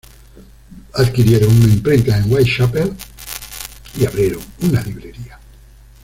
Adquirieron una imprenta en Whitechapel y abrieron una librería.